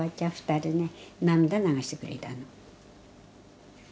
２人ね涙流してくれたの。